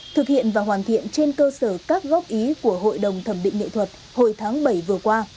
thực hiện và hoàn thiện trên cơ sở các góp ý của hội đồng thẩm định nghệ thuật hồi tháng bảy vừa qua